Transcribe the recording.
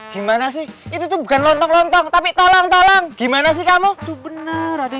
gimana sih itu tuh bukan lontong lontong tapi tolong tolong gimana sih kamu tuh bener ada